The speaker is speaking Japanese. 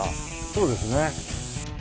そうですね。